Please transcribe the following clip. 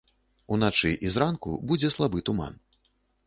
Уначы і зранку будзе слабы туман.